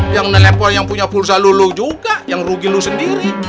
yang nye nelfon yang punya pulsa lu juga yang rugi lu sendiri